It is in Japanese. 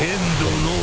のう